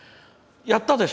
やったでしょ？